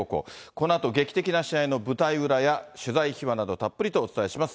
このあと劇的な試合の舞台裏や、取材秘話など、たっぷりとお伝えします。